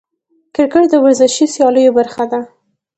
کرکټ د ورزشي سیالیو برخه ده.